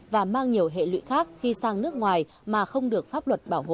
và mang nhiều hệ lụy khác khi sang nước ngoài mà không được pháp luật bảo hộ